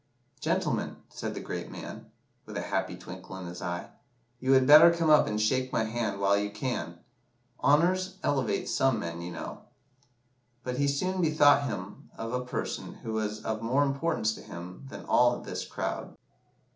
'Gentlemen,' said the great man, with a happy twinkle in his eye, 'you had better come up and shake my hand while you can; honours elevate some men, you know.' But he soon bethought him of a person who was of more importance to him than all this crowd.